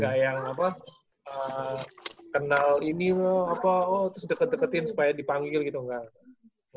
gak yang apa kenal ini mah apa oh terus deket deketin supaya dipanggil gitu nggak